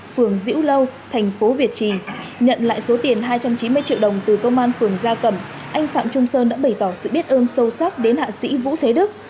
phường diễu lâu thành phố việt trì nhận lại số tiền hai trăm chín mươi triệu đồng từ công an phường gia cẩm anh phạm trung sơn đã bày tỏ sự biết ơn sâu sắc đến hạ sĩ vũ thế đức